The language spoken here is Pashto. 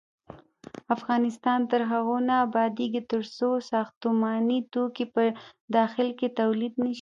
افغانستان تر هغو نه ابادیږي، ترڅو ساختماني توکي په داخل کې تولید نشي.